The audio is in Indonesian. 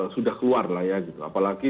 sudah keluar lah ya gitu apalagi